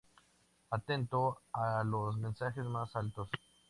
Atento a los mensajes más altos.